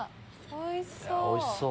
おいしそう！